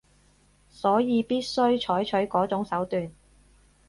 所以必須採取嗰種手段